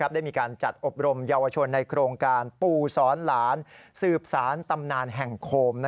ได้มีการจัดอบรมเยาวชนในโครงการปู่สอนหลานสืบสารตำนานแห่งโคม